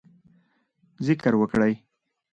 ذکر وکړئ